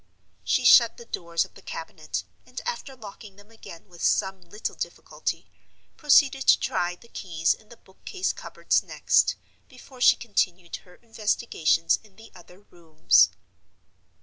She shut the doors of the cabinet, and, after locking them again with some little difficulty, proceeded to try the keys in the bookcase cupboards next, before she continued her investigations in the other rooms.